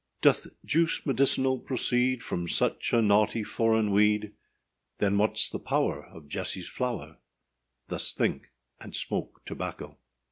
Doth juice medicinal proceed From such a naughty foreign weed? Then whatâs the power Of Jesseâs flower? Thus think, and smoke tobacco.